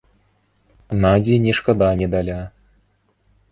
Надзі не шкада медаля.